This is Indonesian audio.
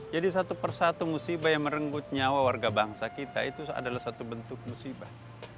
jadi satu persatu musibah yang merenggut nyawa warga bangsa kita itu adalah satu bentuk musibah